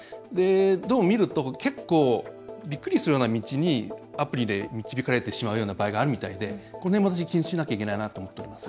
どうも見ると、結構びっくりするような道にアプリで導かれてしまうような場合があるみたいでこの辺も私、気にしなきゃいけないなと思っております。